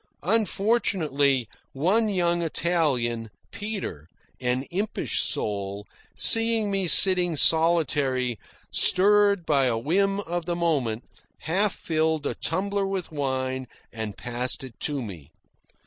Unfortunately, one young Italian, Peter, an impish soul, seeing me sitting solitary, stirred by a whim of the moment, half filled a tumbler with wine and passed it to me.